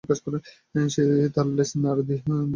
সে তার লেজ নাড়া দিলেই তা থেকে বিজলী সৃষ্টি হয়।